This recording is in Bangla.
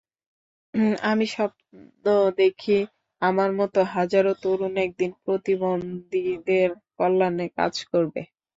আমি স্বপ্ন দেখি, আমার মতো হাজারো তরুণ একদিন প্রতিবন্ধীদের কল্যাণে কাজ করবে।